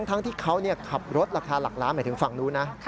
ทั้งที่เขาขับรถราคาหลักล้านหมายถึงฝั่งนู้นนะ